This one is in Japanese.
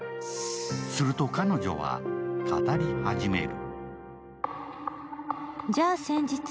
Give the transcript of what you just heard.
すると彼女は、語り始める。